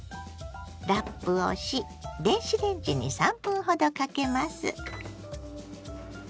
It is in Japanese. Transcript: ラップをし電子レンジに３分ほどかけます。